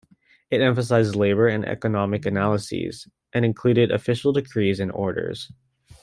It emphasized labor and economic analyses and included official decrees and orders.